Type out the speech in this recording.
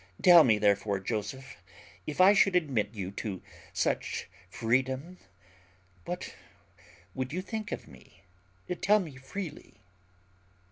Tell me therefore, Joseph, if I should admit you to such freedom, what would you think of me? tell me freely."